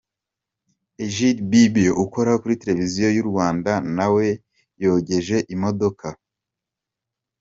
Egidie Bibio ukora kuri Televiziyo y'u Rwanda na we yogeje imodoka.